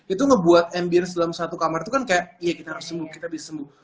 itu ngebuat ambience dalam satu kamar itu kan kayak kita harus sembuh kita bisa sembuh